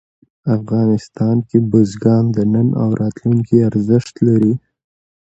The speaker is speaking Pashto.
افغانستان کې بزګان د نن او راتلونکي ارزښت لري.